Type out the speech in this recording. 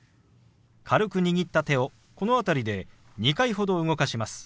軽く握った手をこの辺りで２回ほど動かします。